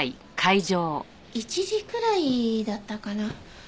１時くらいだったかな。